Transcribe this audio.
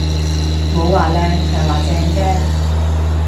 冇話靚，係話正啫